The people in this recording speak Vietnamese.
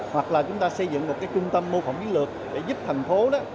hoặc là chúng ta xây dựng một trung tâm mô phỏng dữ liệu để giúp thành phố